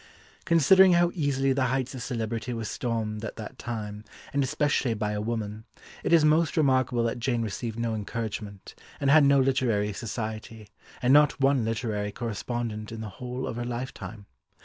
Considering how easily the heights of celebrity were stormed at that time, and especially by a woman, it is most remarkable that Jane received no encouragement, and had no literary society, and not one literary correspondent in the whole of her lifetime.